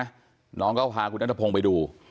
เห็นไหมฮะน้องก็พาคุณนัทพงศ์ไปดู